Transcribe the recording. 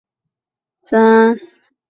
本鱼体成纺锤型稍延长。